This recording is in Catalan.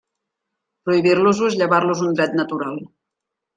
Prohibir-los-ho és llevar-los un dret natural.